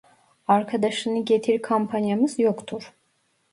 Arkadaşını getir kampanyamız yoktur